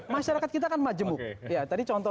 masyarakat kita kan majemuk ya tadi contoh